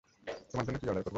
তোমার জন্য কী অর্ডার করবে?